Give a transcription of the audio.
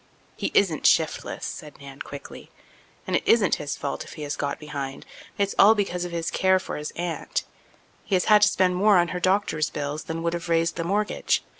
"He isn't shiftless," said Nan quickly, "and it isn't his fault if he has got behind. It's all because of his care for his aunt. He has had to spend more on her doctor's bills than would have raised the mortgage.